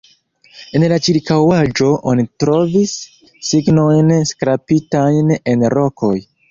En la ĉirkaŭaĵo oni trovis signojn skrapitajn en rokoj.